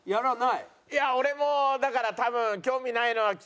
いや俺もだから多分興味ないのはきついから。